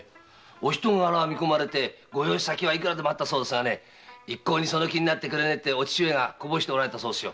お人柄を見込まれてご養子先はいくらでもあったのに一向にその気にならないとお父上がこぼしておられたそうですよ。